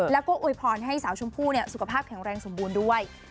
แล้วก็โวยพรให้สาวชมพู่สุขภาพแข็งแรงสมบูรณ์ด้วย